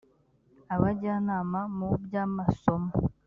abajyanama mu by amasomo